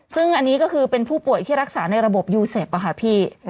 ซึ่งอันนี้ก็คือเป็นผู้ป่วยที่รักษาในระบบยูเซฟค่ะพี่